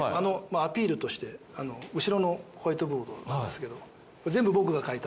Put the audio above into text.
アピールとして後ろのホワイトボードなんですけど全部僕が描いた。